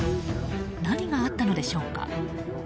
何があったのでしょうか。